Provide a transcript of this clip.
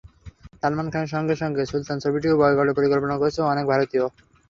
সালমান খানের সঙ্গে সঙ্গে সুলতান ছবিটিও বয়কটের পরিকল্পনা করছে অনেক ভারতীয়।